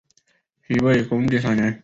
西魏恭帝三年。